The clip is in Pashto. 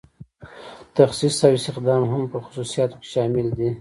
تخصیص او استخدام هم په خصوصیاتو کې شامل دي.